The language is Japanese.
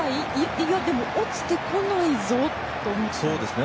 いやでも落ちてこないぞ？と思ったんですよね。